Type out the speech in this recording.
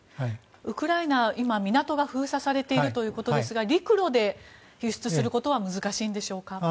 ウクライナは今、港が封鎖されているということですが陸路で輸出することは難しいんでしょうか。